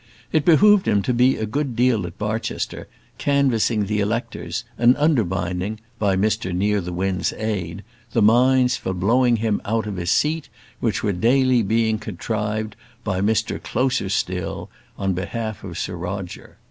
It behoved him to be a good deal at Barchester, canvassing the electors and undermining, by Mr Nearthewinde's aid, the mines for blowing him out of his seat, which were daily being contrived by Mr Closerstil, on behalf of Sir Roger.